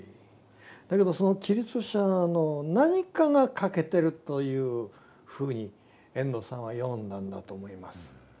だけどそのキリスト者の何かが欠けてるというふうに遠藤さんは読んだんだと思います。